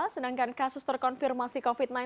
sedangkan kasus terkonfirmasi covid sembilan belas